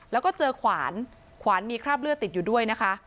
แล้วก็เจอขวานขวานมีคราบเลือดติดอยู่ด้วยนะคะ